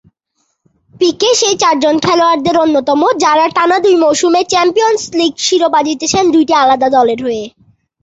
পিকে সেই চারজন খেলোয়াড়দের অন্যতম যারা টানা দুই মৌসুমে চ্যাম্পিয়নস লীগ শিরোপা জিতেছেন, দুইটি আলাদা দলের হয়ে।